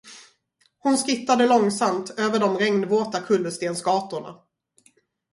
Hon skrittade långsamt över de regnvåta kullerstensgatorna.